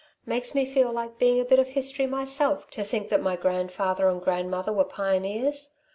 Makes me feel like being a bit of history myself, to think that my grandfather and grandmother were pioneers.